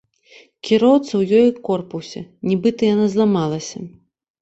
Кіроўца ў ёй корпаўся, нібыта, яна зламалася.